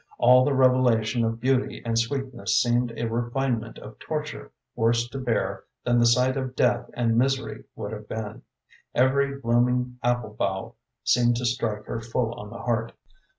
All the revelation of beauty and sweetness seemed a refinement of torture worse to bear than the sight of death and misery would have been. Every blooming apple bough seemed to strike her full on the heart.